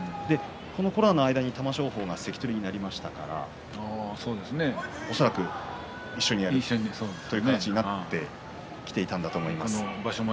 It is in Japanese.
コロナの間に玉正鳳が関取になりましたから恐らく一緒にという形だと思います。